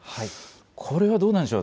これはどうなんでしょう。